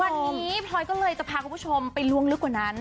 วันนี้พลอยก็เลยจะพาคุณผู้ชมไปล้วงลึกกว่านั้น